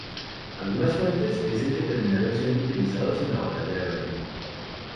Algunas fuentes dicen que terminaron siendo utilizados en la Batalla de Berlín.